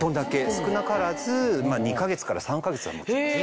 少なからず２か月から３か月は持ちます。